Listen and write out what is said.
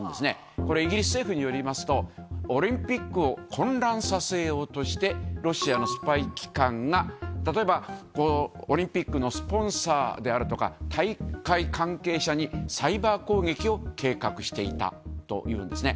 これ、イギリス政府によりますと、オリンピックを混乱させようとして、ロシアのスパイ機関が、例えば、オリンピックのスポンサーであるとか、大会関係者にサイバー攻撃を計画していたというんですね。